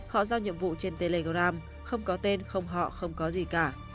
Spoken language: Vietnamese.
họ giao nhiệm vụ trên telegram không có tên không họ không có gì cả